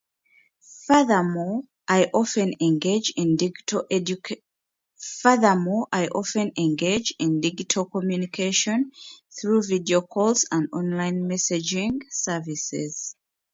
Furthermore, I often engage in digital communication through video calls and online messaging services.